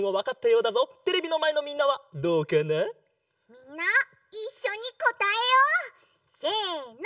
みんないっしょにこたえよう！せの！